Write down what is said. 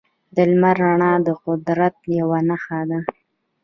د لمر رڼا د قدرت یوه نښه ده.